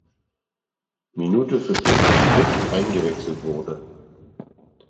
Minute für Christoph Frick eingewechselt wurde.